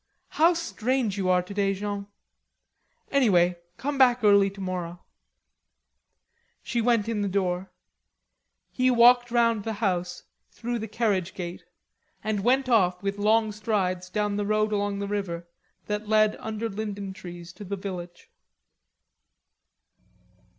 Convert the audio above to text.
"How strange you are today, Jean! Anyway, come back early tomorrow." She went in the door. He walked round the house, through the carriage gate, and went off with long strides down the road along the river that led under linden trees to the village.